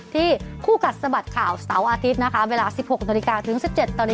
ที่คู่กัดสะบัดข่าวเสาร์อาทิตย์นะคะเวลา๑๖ตรถึง๑๗ตร